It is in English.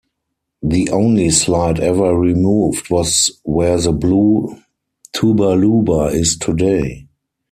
The only slide ever removed was where The Blue TubaLuba is today.